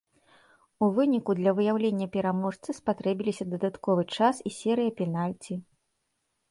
У выніку для выяўлення пераможцы спатрэбіліся дадатковы час і серыя пенальці.